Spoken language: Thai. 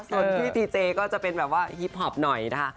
ส่วนพี่พีเจก็จะเป็นแบบว่าฮิปพอปหน่อยนะคะ